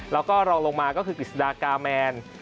แล้วก็รองลงมาก็คือกฤษฎากาแมน